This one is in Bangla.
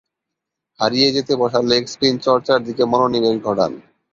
হারিয়ে যেতে বসা লেগ স্পিন চর্চার দিকে মনোনিবেশ ঘটান।